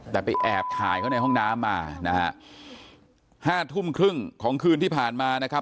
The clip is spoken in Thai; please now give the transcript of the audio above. แต่ไปแอบถ่ายเขาในห้องน้ำมานะฮะห้าทุ่มครึ่งของคืนที่ผ่านมานะครับ